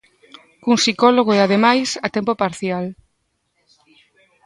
Cun psicólogo e, ademais, a tempo parcial.